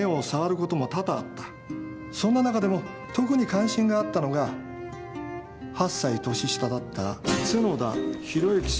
そんななかでも特に関心があったのが８歳年下だった角田博之氏だった。